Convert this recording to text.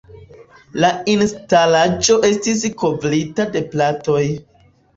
La instalaĵo estis kovrita de platoj.